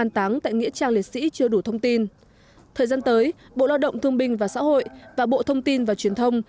thời gian tới bộ lao động thương binh và xã hội và bộ thông tin và truyền thông